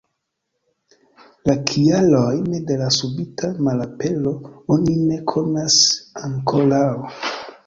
La kialojn de la subita malapero oni ne konas ankoraŭ.